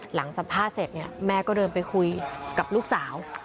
หลังสัมภาษณ์เสร็จเนี่ยแม่ก็เดินไปคุยกับลูกสาว